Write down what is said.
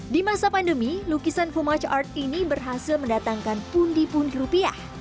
di masa pandemi lukisan humaj art ini berhasil mendatangkan pundi pundi rupiah